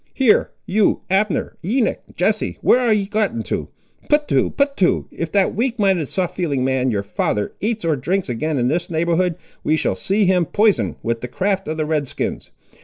Here, you Abner, Enoch, Jesse, where ar' ye gotten to? Put to, put to; if that weak minded, soft feeling man, your father, eats or drinks again in this neighbourhood, we shall see him poisoned with the craft of the Red skins.